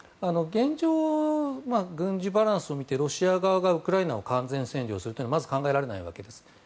現状、軍事バランスを見てロシア側がウクライナを完全占領するというのはまず考えられないわけです。